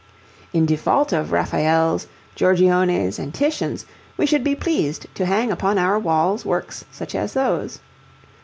In default of Raphaels, Giorgiones, and Titians, we should be pleased to hang upon our walls works such as those.